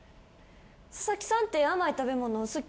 ササキさんって甘い食べ物好き？